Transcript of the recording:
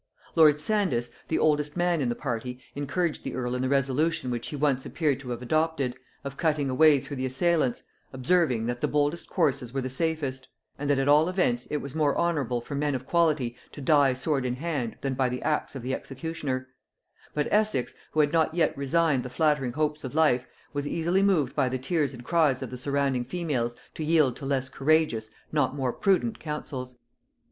Lord Sandys, the oldest man in the party, encouraged the earl in the resolution which he once appeared to have adopted, of cutting a way through the assailants; observing, that the boldest courses were the safest, and that at all events it was more honorable for men of quality to die sword in hand than by the axe of the executioner: but Essex, who had not yet resigned the flattering hopes of life, was easily moved by the tears and cries of the surrounding females to yield to less courageous, not more prudent, counsels.